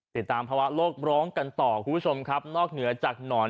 ติดตามภาวะโลกร้องกันต่อคุณผู้ชมครับนอกเหนือจากหนอน